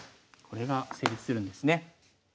これが成立するんですね。